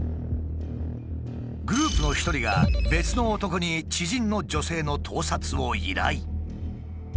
グループの１人が別の男に知人の女性の盗撮を依頼。